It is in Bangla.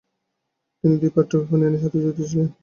তিনি দুটি পাঠ্যবই প্রণয়নের সাথে জড়িত ছিলেন।